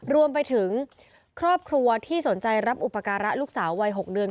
รวมไปถึงครอบครัวที่สนใจรับอุปการะลูกสาววัย๖เดือน